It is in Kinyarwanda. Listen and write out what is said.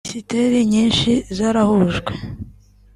Minisiteri nyinshi zarahujwe